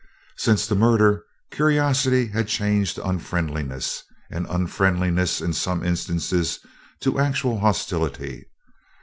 Since the murder, curiosity had changed to unfriendliness, and unfriendliness in some instances to actual hostility.